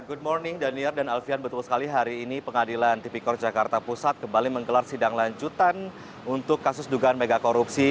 good morning daniar dan alfian betul sekali hari ini pengadilan tipikor jakarta pusat kembali menggelar sidang lanjutan untuk kasus dugaan megakorupsi